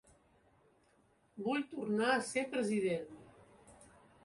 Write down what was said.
Vull tornar a ser president